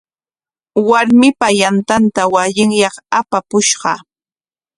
Warmipa yantanta wasinyaq apapushqa.